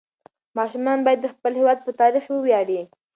ماشومان باید د خپل هېواد په تاریخ وویاړي.